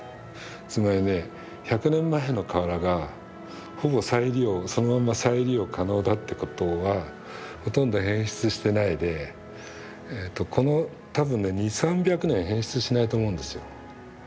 つまりね１００年前の瓦がほぼ再利用そのまま再利用可能だってことはほとんど変質してないでこの多分ね２００３００年変質しないと思うんですよ。